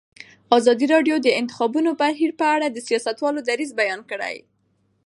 ازادي راډیو د د انتخاباتو بهیر په اړه د سیاستوالو دریځ بیان کړی.